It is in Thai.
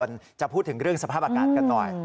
จะพูดถึงเรื่องสภาพอากาศกันหน่อย